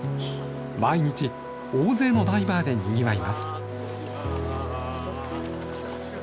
毎日大勢のダイバーでにぎわいます。